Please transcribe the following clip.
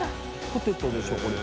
ポテトでしょこれ。